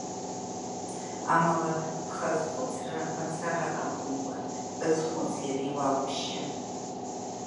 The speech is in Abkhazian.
Амала, бхы азхәыцра мацара акәымкәан, базхәыц иара иулԥшьа.